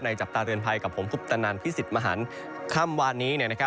ในจับตาเตือนภัยกับผมพุทธนันพิศิษฐ์มหานคำวานนี้นะครับ